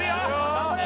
・頑張れ！